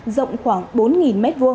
rộng khoảng bốn m hai